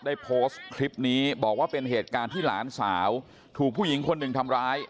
ได้โพสต์คลิปนี้บอกว่าเป็นเหตุการณ์ที่หลานสาวถูกผู้หญิงคนหนึ่งทำร้าย